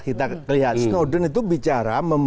kita lihat snowden itu bicara